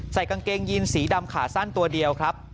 กางเกงยีนสีดำขาสั้นตัวเดียวครับ